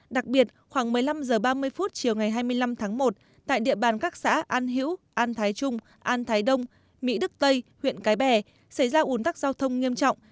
đặc biệt khoảng một mươi năm h ba mươi chiều ngày hai mươi năm tháng một tại địa bàn các xã an hữu an thái trung an thái đông mỹ đức tây huyện cái bè xảy ra ủn tắc giao thông nghiêm trọng